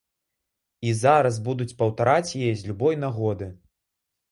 І зараз будуць паўтараць яе з любой нагоды.